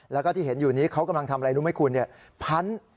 แล้วก็ที่เห็นอยู่นี้เขากำลังทำอะไรรู้ไหมคุณพัน